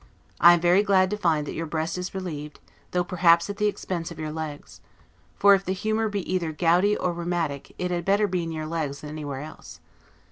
I am very glad to find that your breast is relieved, though perhaps at the expense of your legs: for, if the humor be either gouty or rheumatic, it had better be in your legs than anywhere else.